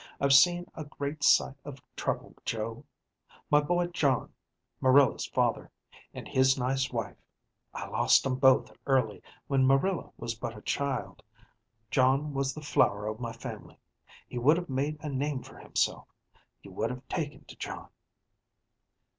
I've seen a great sight of trouble, Joe. My boy John, Marilla's father, and his nice wife, I lost 'em both early, when Marilla was but a child. John was the flower o' my family. He would have made a name for himself. You would have taken to John."